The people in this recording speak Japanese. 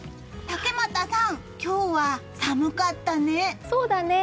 竹俣さん、今日は寒かったね。